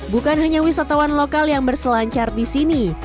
bukan hanya wisatawan lokal yang berselancar di sini